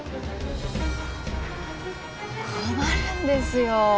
困るんですよ。